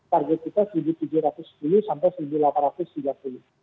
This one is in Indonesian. target kita tujuh ribu tujuh ratus sepuluh sampai tujuh ribu delapan ratus tiga puluh